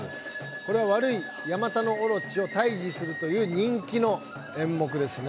これはわるいヤマタノオロチをたいじするという人気のえんもくですね。